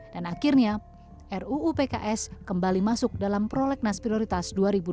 dan akhirnya ruupks kembali masuk dalam prolegnas prioritas dua ribu dua puluh